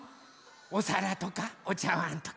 おさらとかおちゃわんとか。